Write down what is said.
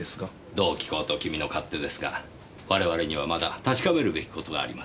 どう聞こうと君の勝手ですが我々にはまだ確かめるべきことがあります。